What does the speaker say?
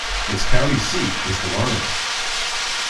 Its county seat is Dahlonega.